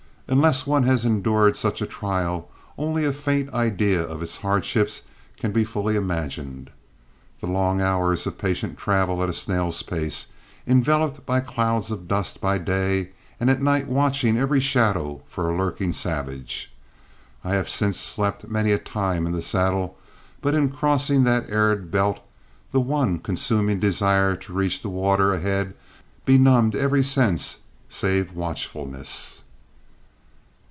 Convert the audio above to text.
Unless one has endured such a trial, only a faint idea of its hardships can be fully imagined the long hours of patient travel at a snail's pace, enveloped by clouds of dust by day, and at night watching every shadow for a lurking savage. I have since slept many a time in the saddle, but in crossing that arid belt the one consuming desire to reach the water ahead benumbed every sense save watchfulness.